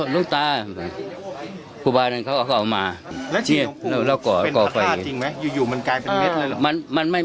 ลูกตาครูบายนั้นเขาก็เอามาแล้วเกาะไฟ